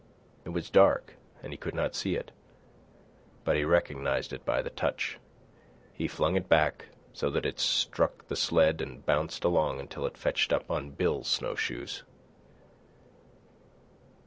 It was dark, and he could not see it, but he recognised it by the touch. He flung it back, so that it struck the sled and bounced along until it fetched up on Bill's snowshoes.